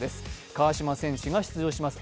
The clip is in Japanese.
川島選手が出場します